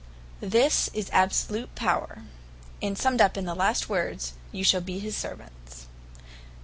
This is absolute power, and summed up in the last words, "you shall be his servants."